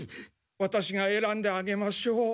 ワタシが選んであげましょう。